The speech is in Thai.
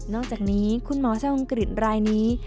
อกจากนี้คุณหมอชาวอังกฤษรายนี้